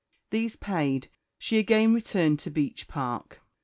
These paid, she again returned to Beech Park.